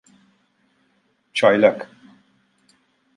Çaylak.